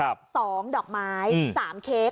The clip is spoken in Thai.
๑เล่า๒ดอกไม้๓เค้ก